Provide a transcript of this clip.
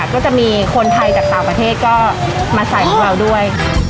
ก็จะมีคนไทยจากต่างประเทศก็มาใส่ของเราด้วย